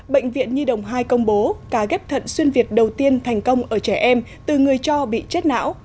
bệnh viện nhi đồng hai công bố cả ghép thận xuyên việt đầu tiên thành công ở trẻ em từ người cho bị chết não